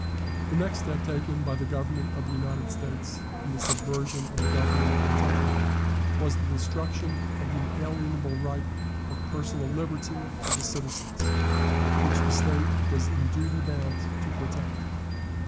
The next step taken by the Government of the United States in the subversion of the government of Kentucky was the destruction of the unalienable right of personal liberty of the citizens, which the State was in duty bound to protect.